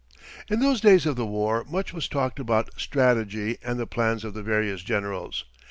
] In those days of the war much was talked about "strategy" and the plans of the various generals.